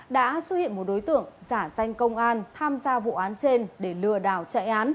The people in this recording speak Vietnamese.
đã xuất hiện một đối tượng giả danh công an tham gia vụ án trên để lừa đảo trị